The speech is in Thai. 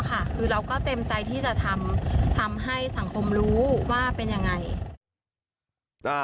คือเราก็เต็มใจทำให้สังคมรู้ว่าเป็นอย่างไร